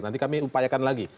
nanti kami upayakan lagi